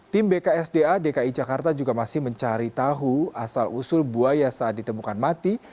tim bksda dki jakarta juga masih mencari tahu asal usul buaya saat ditemukan mati